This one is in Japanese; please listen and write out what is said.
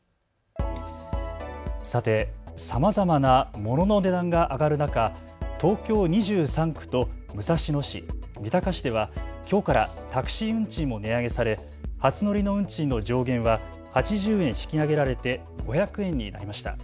さて、さまざまなモノの値段が上がる中、東京２３区と武蔵野市、三鷹市ではきょうからタクシー運賃も値上げされ初乗りの運賃の上限は８０円引き上げられて５００円になりました。